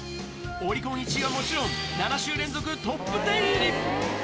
オリコン１位はもちろん、７週連続トップ１０入り。